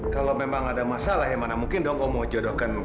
kalau memang ada masalah ya mana mungkin dong oh mau jodohkan